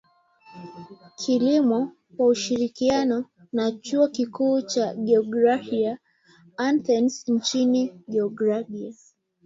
Kilimo kwa ushirikiano na Chuo Kikuu cha Georgia Athens nchini Georgia